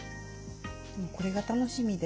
これが楽しみで。